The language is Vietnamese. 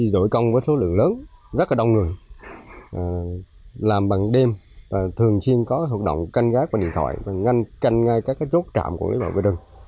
đội công với số lượng lớn rất là đông người làm bằng đêm thường xuyên có hoạt động canh gác bằng điện thoại canh ngay các rốt trạm của lý bảo vệ rừng